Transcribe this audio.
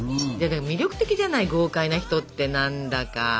魅力的じゃない豪快な人って何だか。